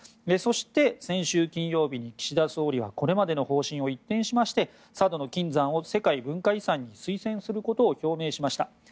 そして、先週金曜日に岸田総理はこれまでの方針を一転しまして佐渡島の金山を世界文化遺産に推薦することを表明しました。